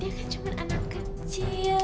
ya kan cuma anak kecil